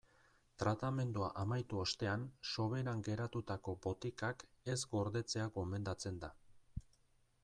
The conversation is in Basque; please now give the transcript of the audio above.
Tratamendua amaitu ostean soberan geratutako botikak ez gordetzea gomendatzen da.